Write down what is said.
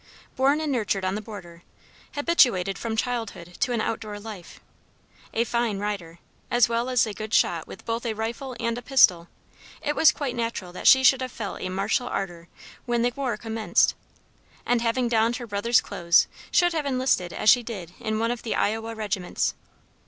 Born and nurtured on the border, habituated from childhood to an outdoor life, a fine rider, as well as a good shot with both a rifle and a pistol, it was quite natural that she should have felt a martial ardor when the war commenced, and having donned her brother's clothes, should have enlisted as she did in one of the Iowa regiments.